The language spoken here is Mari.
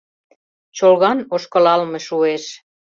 Чолган ошкылалме шуэш.